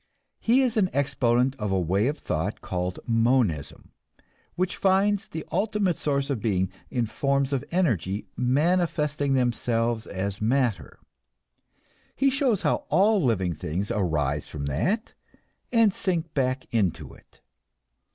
He is an exponent of a way of thought called Monism, which finds the ultimate source of being in forms of energy manifesting themselves as matter; he shows how all living things arise from that and sink back into it.